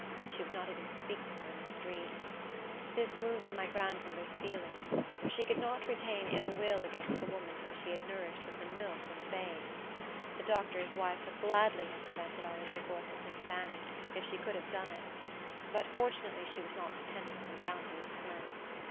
She would not even speak to her in the street. This wounded my grandmother's feelings, for she could not retain ill will against the woman whom she had nourished with her milk when a babe. The doctor's wife would gladly have prevented our intercourse with Miss Fanny if she could have done it, but fortunately she was not dependent on the bounty of the Flints.